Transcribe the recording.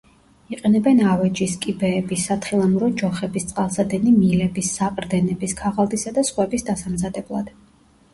იყენებენ ავეჯის, კიბეების, სათხილამურო ჯოხების, წყალსადენი მილების, საყრდენების, ქაღალდისა და სხვების დასამზადებლად.